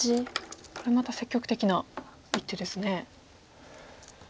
これまた積極的な一手ですね。